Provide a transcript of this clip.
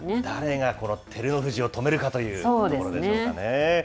誰がこの照ノ富士を止めるかというところでしょうかね。